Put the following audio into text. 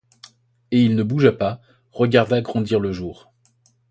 Et il ne bougea pas, regarda grandir le jour.